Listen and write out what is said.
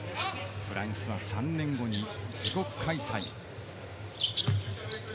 フランスは３年後に自国開催。